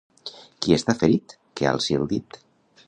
Qui està ferit, que alci el dit.